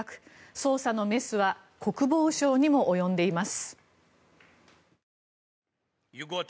捜査のメスは国防省にも及んでいます。